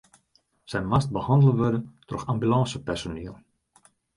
Sy moast behannele wurde troch ambulânsepersoniel.